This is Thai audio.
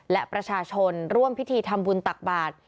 และประชาชนร่วมพิธีทำบุญตักบาท